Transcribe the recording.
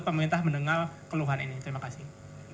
pemerintah mendengar keluhan ini terima kasih